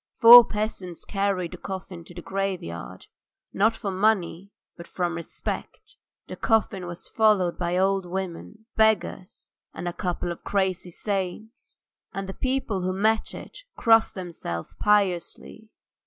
Four peasants carried the coffin to the graveyard, not for money, but from respect. The coffin was followed by old women, beggars, and a couple of crazy saints, and the people who met it crossed themselves piously.